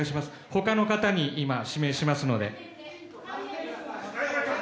他の方に指名しますので。